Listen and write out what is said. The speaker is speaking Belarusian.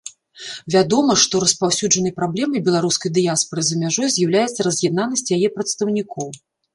Вядома, што распаўсюджанай праблемай беларускай дыяспары за мяжой з'яўляецца раз'яднанасць яе прадстаўнікоў.